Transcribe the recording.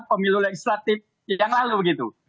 pemilu legislatif yang lalu begitu